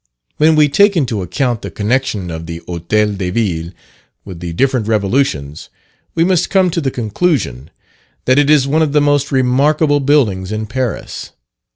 When we take into account the connection of the Hotel de Ville with the different revolutions, we must come to the conclusion, that it is one of the most remarkable buildings in Paris.